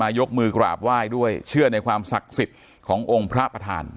ยกมือกราบไหว้ด้วยเชื่อในความศักดิ์สิทธิ์ขององค์พระประธาน